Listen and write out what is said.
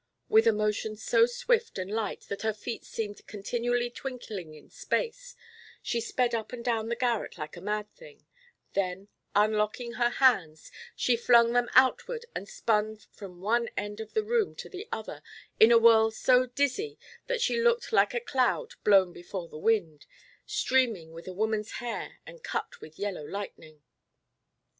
With a motion so swift and light that her feet seemed continually twinkling in space, she sped up and down the garret like a mad thing; then, unlocking her hands, she flung them outward and spun from one end of the room to the other in a whirl so dizzy that she looked like a cloud blown before the wind, streaming with a woman's hair and cut with yellow lightning.